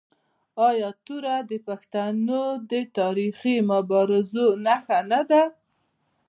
آیا توره د پښتنو د تاریخي مبارزو نښه نه ده؟